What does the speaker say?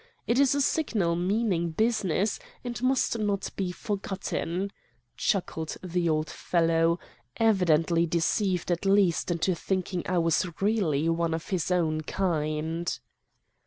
It is a signal meaning business, and must not be forgotten,' chuckled the old fellow, evidently deceived at last into thinking I was really one of his own kind.